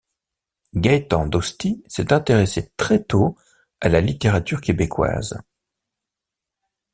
Gaëtan Dostie s’est intéressé très tôt à la littérature québécoise.